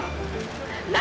何？